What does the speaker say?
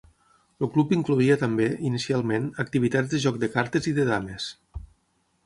El club incloïa també, inicialment, activitats de Joc de cartes i de Dames.